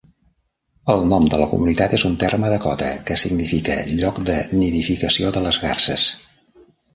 El nom de la comunitat és un terme dakota que significa lloc de nidificació de les garses.